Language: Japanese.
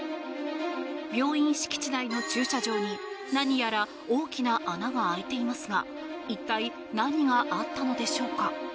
病院敷地内の駐車場に何やら大きな穴が開いていますが一体、何があったのでしょうか。